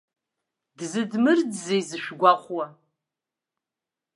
Дзыдмырӡзеи зышәгәахәуа?